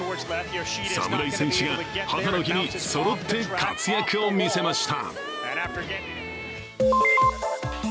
侍戦士が母の日にそろって活躍を見せました。